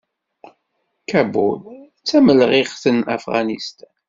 Kabul d tamelɣiɣt n Afɣanistan.